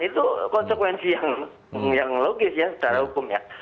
itu konsekuensi yang logis ya secara hukumnya